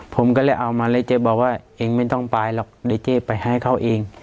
ผมก็เลยเอามาเลยเจ๊บอกว่าเองไม่ต้องไปหรอกเดี๋ยวเจ๊ไปให้เขาเอง